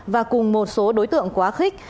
và cùng một số đối tượng quá khích